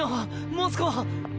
モスコ！